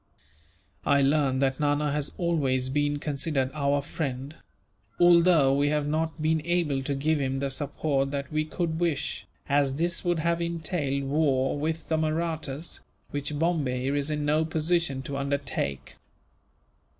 I learn that Nana has always been considered our friend; although we have not been able to give him the support that we could wish, as this would have entailed war with the Mahrattas, which Bombay is in no position to undertake.